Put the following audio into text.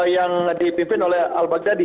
yang dipimpin oleh al bagjadi